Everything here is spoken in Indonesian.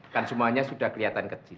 kan semuanya sudah kelihatan kecil